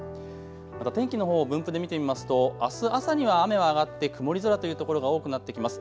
また天気のほう分布で見てみますと、あす朝には雨は上がって曇り空というところが多くなってきます。